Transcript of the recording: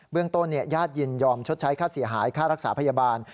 เรื่องต้นญาติยินยอมชดใช้ค่าเสียหายค่ารักษาพยาบาล